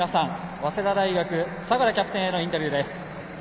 早稲田大学、相良キャプテンへのインタビューです。